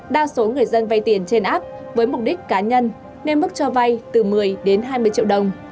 đa số người dân vay tiền trên app với mục đích cá nhân nên mức cho vay từ một mươi đến hai mươi triệu đồng